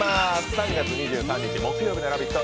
３月２３日木曜日の「ラヴィット！」